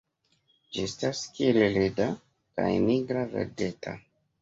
Ĝi estas kiel leda, kaj nigra-verdeta.